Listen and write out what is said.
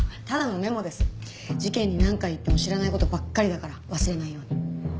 事件に何回行っても知らない事ばっかりだから忘れないように。